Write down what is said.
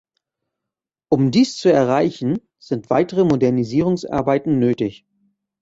Um dies zu erreichen, sind weitere Modernisierungsarbeiten nötig.